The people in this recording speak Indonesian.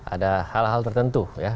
ada hal hal tertentu ya